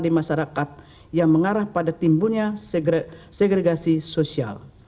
di masyarakat yang mengarah pada timbunnya segregasi sosial